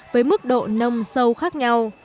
với mức độ nông sâu khác nhau